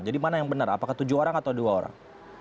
jadi mana yang benar apakah tujuh orang atau dua orang